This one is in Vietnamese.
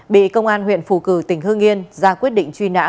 bị công an huyện phù cử tỉnh hưng yên ra quyết định truy nã